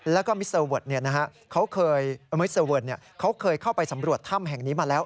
แล้วก็มิสเตอร์เวิร์ดเขาเคยเข้าไปสำรวจถ้ำแห่งนี้มาแล้ว